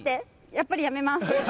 やっぱりやめます。